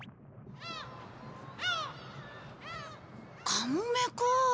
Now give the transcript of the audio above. カモメか。